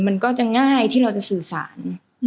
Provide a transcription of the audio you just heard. มันก็จะง่ายที่เราจะสื่อสาร